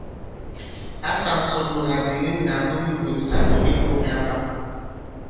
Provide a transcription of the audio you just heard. Ǎ sāā ǹsɔn mula à dìŋi ŋgǎn mu ni mbwèŋsà nì mipɔ̄k laɓâm.